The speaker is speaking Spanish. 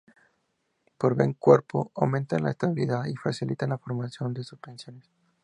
Proveen cuerpo, aumentan la estabilidad y facilitan la formación de suspensiones.